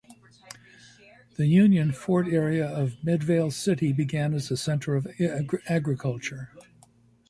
The Union Fort area of Midvale City began as a center of agriculture.